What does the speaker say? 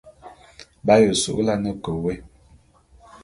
B'aye su'ulane ke wôé.